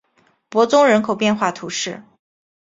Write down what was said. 伯宗人口变化图示